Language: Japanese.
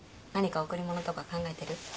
何か贈り物とか考えてる？